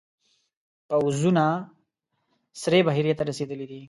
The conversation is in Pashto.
پوځونه سرې بحیرې ته رسېدلي دي.